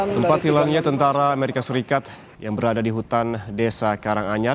tempat hilangnya tentara amerika serikat yang berada di hutan desa karanganyar